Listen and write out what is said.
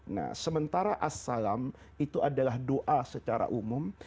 nah sementara as salam itu adalah doa secara umum